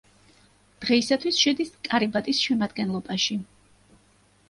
დღეისათვის შედის კირიბატის შემადგენლობაში.